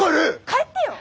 帰ってよ。